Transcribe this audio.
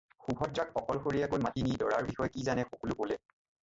সুভদ্ৰাক অকলশৰীয়াকৈ মাতি নি দৰাৰ বিষয়ে যি জানে সকলো ক'লে।